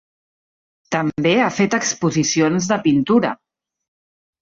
També ha fet exposicions de pintura.